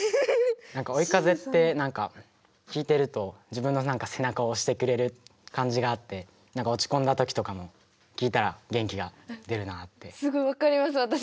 何か「追い風」って何か聴いてると自分の何か背中を押してくれる感じがあって何か落ち込んだ時とかも聴いたら元気が出るなって。